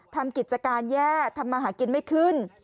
ทำกิจการแย่ทำมาหากินไม่ขึ้น